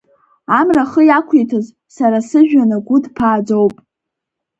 Амра ахы иақәиҭыз, сара сыжәҩан агәы ҭбааӡоуп.